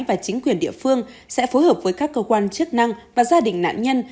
và chính quyền địa phương sẽ phối hợp với các cơ quan chức năng và gia đình nạn nhân